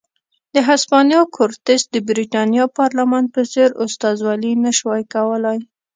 د هسپانیا کورتس د برېټانیا پارلمان په څېر استازولي نه شوای کولای.